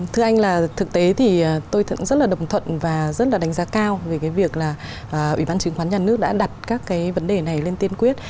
thưa anh là thực tế thì tôi rất là đồng thuận và rất là đánh giá cao về cái việc là ủy ban chứng khoán nhà nước đã đặt các cái vấn đề này lên tiên quyết